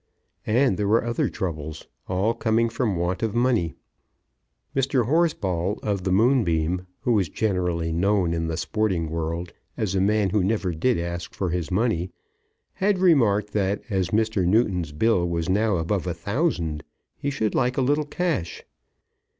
And there were other troubles, all coming from want of money. Mr. Horsball, of the Moonbeam, who was generally known in the sporting world as a man who never did ask for his money, had remarked that as Mr. Newton's bill was now above a thousand, he should like a little cash.